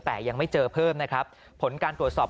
แต่ยังไม่เจอเพิ่มนะครับ